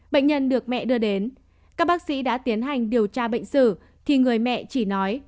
bệnh nhân được mẹ đưa đến các bác sĩ đã tiến hành điều tra bệnh sử thì người mẹ chỉ nói